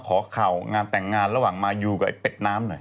ขอข่าวงานแต่งงานระหว่างมายูกับไอเป็ดน้ำหน่อย